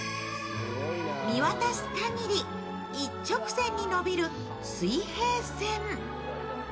見渡す限り一直線に伸びる水平線。